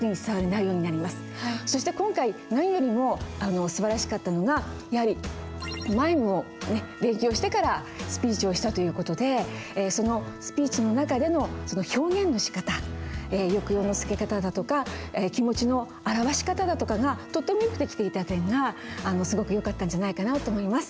そして今回何よりもすばらしかったのがやはりマイムを勉強してからスピーチをしたという事でそのスピーチの中での表現のしかた抑揚のつけ方だとか気持ちの表し方だとかがとてもよくできていた点がすごくよかったんじゃないかなと思います。